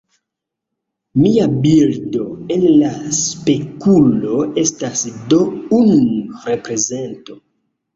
Mia bildo en la spegulo estas do un reprezento.